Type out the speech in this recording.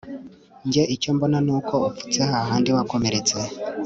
Njye icyo mbona nuko upfutse hahandi wakomeretse